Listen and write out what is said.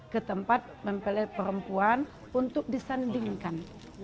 ke tempat mempelai perempuan untuk disandingkan